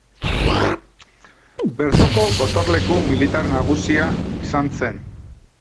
Bertoko gotorleku militar nagusia izan zen.